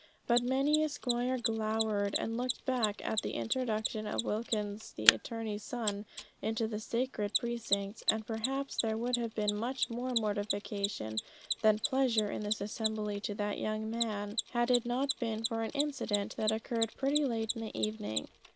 But many a squire glowered and looked black at the introduction of Wilkins the attorney's son into the sacred precincts; and perhaps there would have been much more mortification than pleasure in this assembly to the young man, had it not been for an incident that occurred pretty late in the evening.